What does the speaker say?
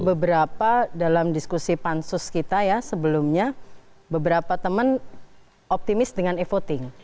beberapa dalam diskusi pansus kita ya sebelumnya beberapa teman optimis dengan e voting